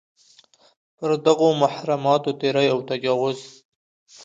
پر دغو محرماتو تېری او تجاوز.